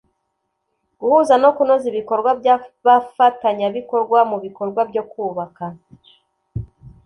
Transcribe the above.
Guhuza no kunoza ibikorwa by abafatanyabikorwa mu bikorwa byo kubaka